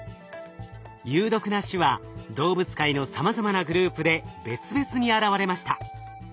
有毒な種は動物界のさまざまなグループで別々に現れました。